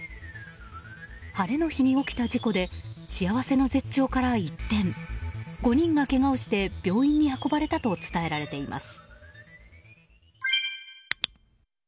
晴れの日に起きた事故で幸せの絶頂から一転５人がけがをして病院に運ばれたと伝えられています。